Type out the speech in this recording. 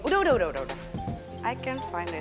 dua ampun milih udah udah udah udah i can find it